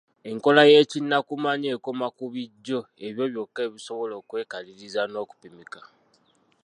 Enkola y’ekinnakumanya ekoma ku bijjo ebyo byokka ebisobola okwekakalirizibwa n’okupimika.